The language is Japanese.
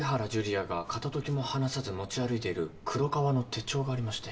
亜が片ときも離さず持ち歩いている黒革の手帳がありまして。